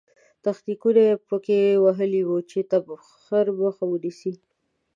تخنیکونه یې په کې وهلي وو چې تبخیر مخه ونیسي.